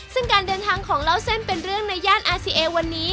ซึ่งการเดินทางของเล่าเส้นเป็นเรื่องในย่านอาซีเอวันนี้